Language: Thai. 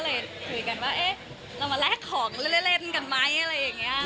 เลยคุยกันว่าเอ๊ะเรามาแลกของเล่นกันไหมอะไรอย่างนี้